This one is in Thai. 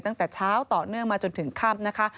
ตั้งแต่เช้าต่อเนื่องมาจนถึงค่ำนะคะ